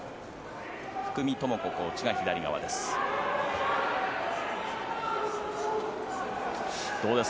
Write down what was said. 福見友子コーチが左側です。